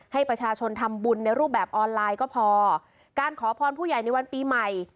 ให้ประชาชนทำบุญในรูปแบบออนไลน์ก็พอการขอพรผู้ใหญ่ในวันปีใหม่